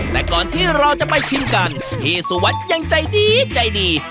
แต่ก่อนที่เราจะไปชิมกันพี่สุวัสดิ์ยังใจดีใจดี